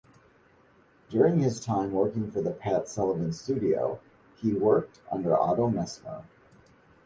During his time working for the Pat Sullivan studio, he worked under Otto Messmer.